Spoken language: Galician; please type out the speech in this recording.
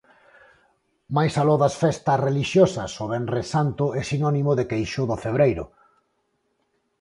Máis aló das festas relixiosas, o venres santo é sinónimo de queixo do Cebreiro.